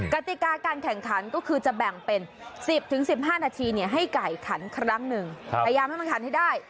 กติกาการแข่งขันก็คือจะแบ่งเป็น๑๐๑๕นาทีให้ไก่ขันครั้งหนึ่งพยายามให้มันขันให้ได้